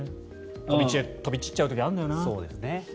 飛び散っちゃう時あるんだよな。